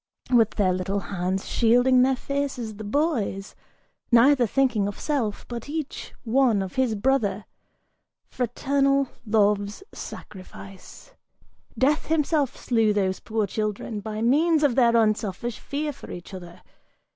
With their little hands shielding their faces, The boys, neither thinking of self, but each one of his brother! Fraternal love's sacrifice! Death himself slew those poor children By means of their unselfish fear for each other!